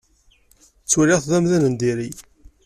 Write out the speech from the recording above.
Ttwaliɣ-t d amdan n diri.